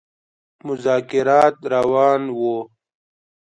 مذاکرات روان وه.